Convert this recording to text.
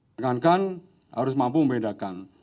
dengan kan harus mampu membedakan